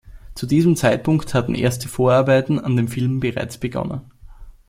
Zu diesem Zeitpunkt hatten erste Vorarbeiten an dem Film bereits begonnen.